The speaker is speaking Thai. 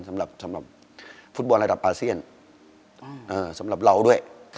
สำหรับฟุตบอลระดับอาเซียนสำหรับเราด้วย